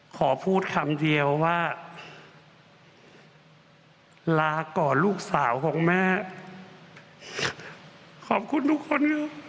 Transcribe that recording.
ขอพูดคำเดียวว่าลาก่อนลูกสาวของแม่ขอบคุณทุกคนครับ